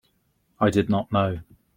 I did not know.